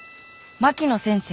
「槙野先生